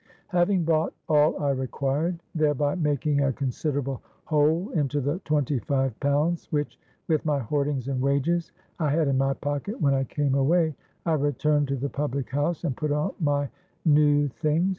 Having bought all I required, thereby making a considerable hole into the twenty five pounds which, with my hoardings and wages, I had in my pocket when I came away, I returned to the public house, and put on my new things.